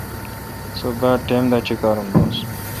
سو باڑ ٹائم دا چیکارم دوس۔